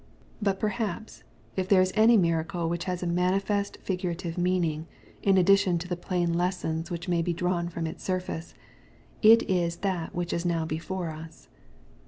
But perhaps, if there is any miracle which has a manifest figurative meaning, in addition to the plain lessons which may be drawn from its surface, it is that which is now before us.